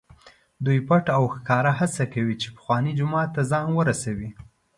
دوی پټ او ښکاره هڅه کوي چې پخواني جومات ته ځان ورسوي.